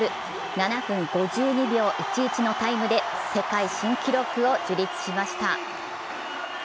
７分５２秒１１のタイムで世界新記録を樹立しました。